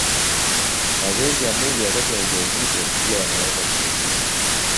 Mazoezi ya mwili wakati wa ujauzito pia yanaweza kusaidia.